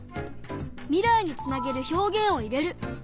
未来につなげる表現を入れる。